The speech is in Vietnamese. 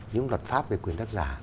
những luật pháp về quyền tác giả